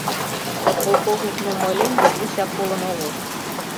Подполковник мом ойлен — Миша колын огыл.